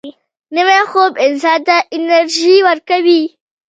نوی خوب انسان ته انرژي ورکوي